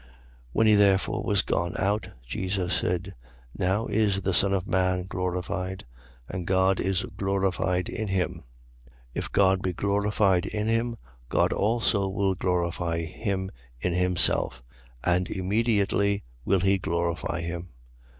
13:31. When he therefore was gone out, Jesus said: Now is the Son of man glorified; and God is glorified in him. 13:32. If God be glorified in him, God also will glorify him in himself: and immediately will he glorify him.